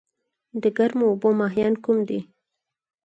د ګرمو اوبو ماهیان کوم دي؟